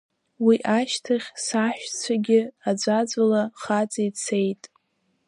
Уи ашьҭахь саҳәшьцәагьы аӡәаӡәала хаҵа ицеит.